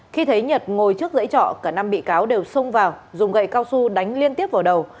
khi thấy nhật ngồi trước dãy trọ cả năm bị cáo đều xông vào dùng gậy cao su đánh liên tiếp vào đầu